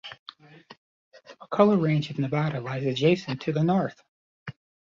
The McCullough Range of Nevada lies adjacent to the north.